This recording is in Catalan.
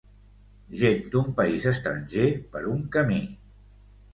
Gent d'un país estranger per un camí.